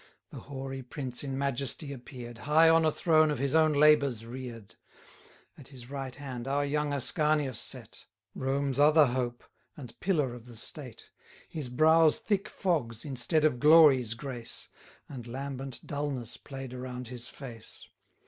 The hoary prince in majesty appear'd, High on a throne of his own labours rear'd. At his right hand our young Ascanius sate, Rome's other hope, and pillar of the state. His brows thick fogs, instead of glories, grace, 110 And lambent dulness play'd around his face.